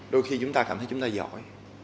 đôi khi chúng ta cảm thấy chúng ta giỏi